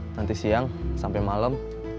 nanti siang sampai malam